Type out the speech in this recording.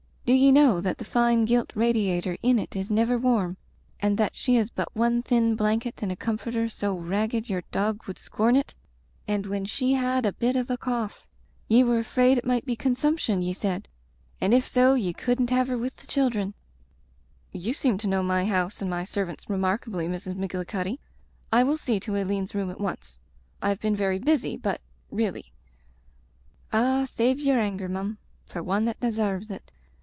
Do ye know that the fine gilt radiator in it is never warm and that she has but one thin blanket and a com forter so ragged your dog would scorn it? And when she had a bit of a cough ye were afraid it might be consumption, ye said, and if so ye couldn't have her with the children " "You seem to know my house and my servants remarkably, Mrs. Magillicuddy. I will see to Aileen's room at once. I have been very busy, but — ^really " "Ah, save yer anger, mum, for one that desarves it.